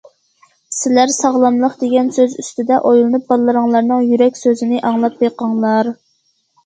سىلەر‹‹ ساغلاملىق›› دېگەن سۆز ئۈستىدە ئويلىنىپ، بالىلىرىڭلارنىڭ يۈرەك سۆزىنى ئاڭلاپ بېقىڭلار.